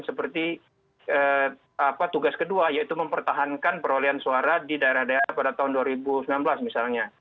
seperti tugas kedua yaitu mempertahankan perolehan suara di daerah daerah pada tahun dua ribu sembilan belas misalnya